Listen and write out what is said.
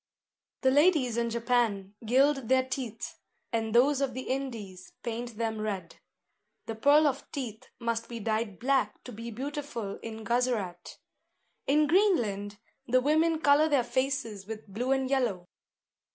The ladies in Japan gild their teeth; and those of the Indies paint them red. The pearl of teeth must be dyed black to be beautiful in Guzerat. In Greenland the women colour their faces with blue and yellow.